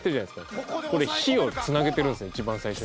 これ火をつなげてるんですよ一番最初に。